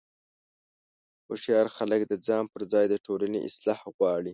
هوښیار خلک د ځان پر ځای د ټولنې اصلاح غواړي.